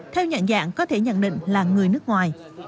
theo nhận dạng có thể nhận định là người nước ngoài